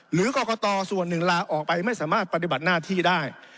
หรือกรกตส่วนหนึ่งลาออกไปไม่สามารถปฏิบัติหน้าที่ได้